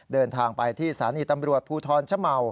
เดินทางไปที่สาริตำรวจภูทรชม